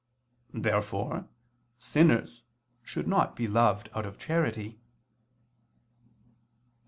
Therefore sinners should not be loved out of charity. Obj.